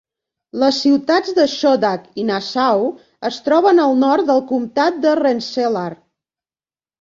Les ciutats de Schodack i Nassau es troben al nord del comtat de Rensselaer.